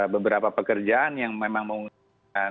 beberapa pekerjaan yang memang memungkinkan